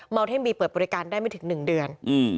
เทมบีเปิดบริการได้ไม่ถึง๑เดือน